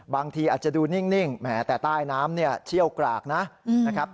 บางทีอาจจะดูนิ่งแหมแต่ใต้น้ำเนี่ยเชี่ยวกรากนะครับ